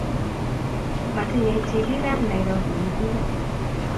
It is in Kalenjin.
Matinyei tibikab Nairobi mugulel